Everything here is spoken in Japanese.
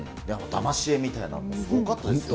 だまし絵みたいなのもすごかったですね。